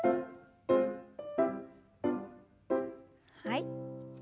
はい。